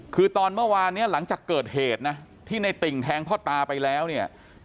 คือตอนเมื่อวานเนี่ยหลังจากเกิดเหตุนะที่ในติ่งแทงพ่อตาไปแล้วเนี่ย